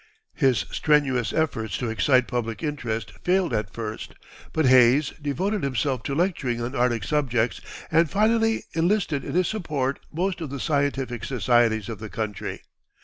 His strenuous efforts to excite public interest failed at first; but Hayes devoted himself to lecturing on Arctic subjects, and finally enlisted in his support most of the scientific societies of the country.